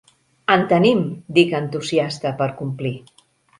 En tenim! —dic entusiasta, per complir.